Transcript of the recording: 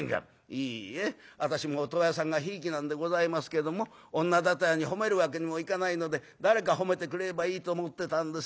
『いいえ私も音羽屋さんがひいきなんでございますけども女だてらに褒めるわけにもいかないので誰か褒めてくれればいいと思ってたんですよ。